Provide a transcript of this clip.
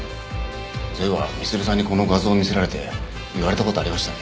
そういえば満さんにこの画像を見せられて言われた事ありましたね。